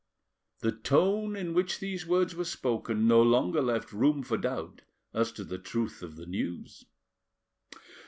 The tone in which these words were spoken no longer left room for doubt as to the truth of the news.